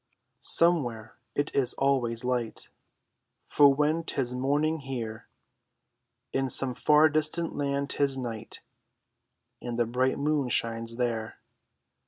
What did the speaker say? Somewhere it is always light; For when 'tis morning here, In some far distant land 'tis night, And the bright moon shines there.